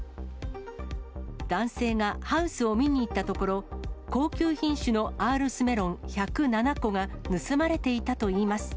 男性がハウスを見に行ったところ、高級品種のアールスメロン１０７個が盗まれていたといいます。